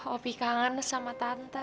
ope kangen sama tante